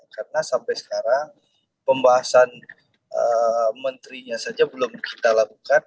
karena sampai sekarang pembahasan menterinya saja belum kita lakukan